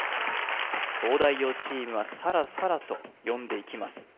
東大王チームはサラサラと読んでいきます